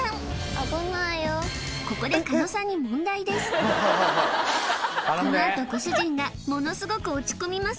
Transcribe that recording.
ここでこのあとご主人がものすごく落ち込みます